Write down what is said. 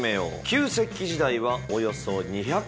旧石器時代はおよそ２００万年。